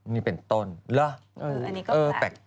นี่เป็นต้นหรอแปลก